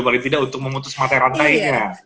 bagi tidak untuk memutus matai rantainya